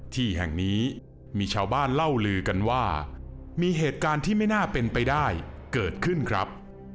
ที่แห่งนี้มีชาวบ้านเล่าลือกันว่ามีเหตุการณ์ที่ไม่น่าเป็นไปได้เกิดขึ้นครับ